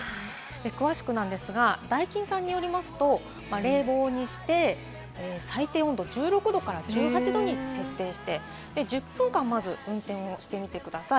詳しくですが、ダイキンさんによりますと、冷房にして最低温度１６度１８度に設定して、１０分間、まず運転をしてみてください。